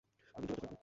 আমি যোগাযোগ রাখব।